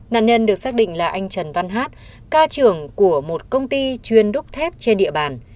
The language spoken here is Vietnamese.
nạn nhân được xác định là anh trần văn hát ca trưởng của một công ty chuyên đúc thép trên địa bàn